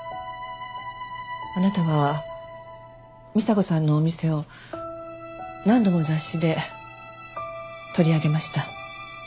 あなたは美紗子さんのお店を何度も雑誌で取り上げました。